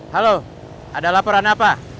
halo ada laporan apa